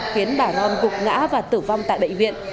khiến bà loan gục ngã và tử vong tại bệnh viện